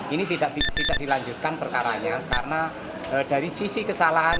ini tidak dilanjutkan perkaranya karena dari sisi kesalahan